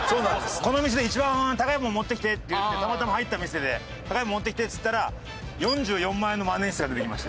この店で一番高いものを持ってきてって言ってたまたま入った店で高いものを持ってきてって言ったら４４万円の万年筆が出てきました。